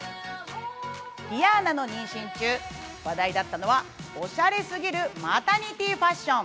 リアーナの妊娠中、話題だったのはオシャレすぎるマタニティーファッション。